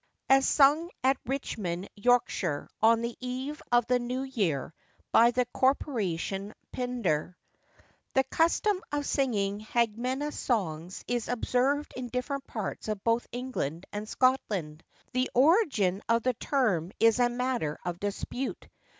As sung at Richmond, Yorkshire, on the eve of the New Year, by the Corporation Pinder. [THE custom of singing Hagmena songs is observed in different parts of both England and Scotland. The origin of the term is a matter of dispute.